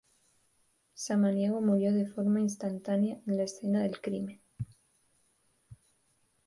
Samaniego murió de forma instantánea en la escena del crimen.